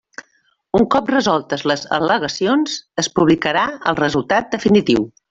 Un cop resoltes les al·legacions, es publicarà el resultat definiu.